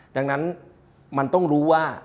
ดังนั้นมันต้องรู้ว่า